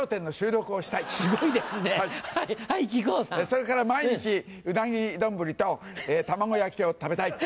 それから毎日うなぎ丼と卵焼きを食べたい。